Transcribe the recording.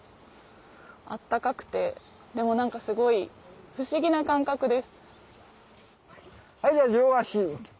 温かくてでも何かすごい不思議な感覚です。